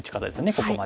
ここまで。